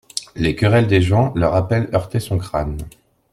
Les querelles des gens, leurs appels heurtaient son crâne.